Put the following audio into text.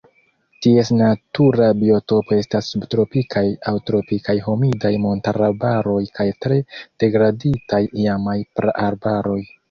Ties natura biotopo estas subtropikaj aŭ tropikaj humidaj montararbaroj kaj tre degraditaj iamaj praarbaroj.